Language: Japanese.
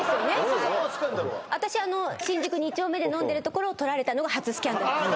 私新宿２丁目で飲んでるところを撮られたのが初スキャンダルです